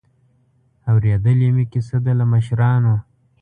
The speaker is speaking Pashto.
اورېدلې مې کیسه ده له مشرانو.